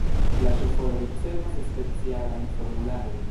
La ŝoforo ricevas specialajn formularojn.